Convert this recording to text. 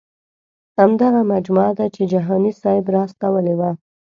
همدغه مجموعه ده چې جهاني صاحب را استولې وه.